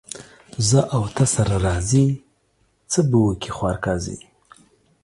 زه او ته سره راضي ، څه به وکي خوار قاضي.